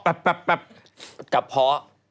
กระเพาะ